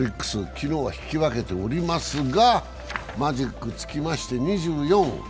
昨日は引き分けておりますがマジックつきまして２４。